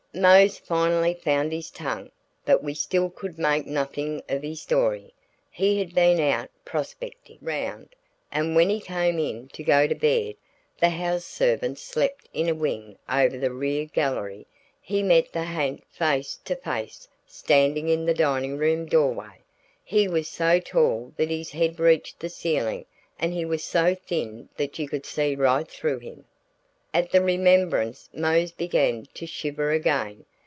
Mose finally found his tongue but we still could make nothing of his story. He had been out "prospectin' 'round," and when he came in to go to bed the house servants slept in a wing over the rear gallery he met the ha'nt face to face standing in the dining room doorway. He was so tall that his head reached the ceiling and he was so thin that you could see right through him. At the remembrance Mose began to shiver again.